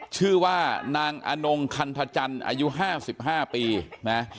ชื่อว่านางอนงคันทจันทร์อายุ๕๕ปีนะ